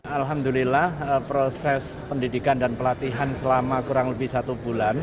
alhamdulillah proses pendidikan dan pelatihan selama kurang lebih satu bulan